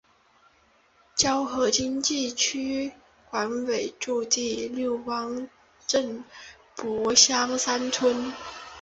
胶河经济区管委驻地六汪镇柏乡三村。